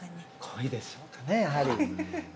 恋でしょうかねやはり。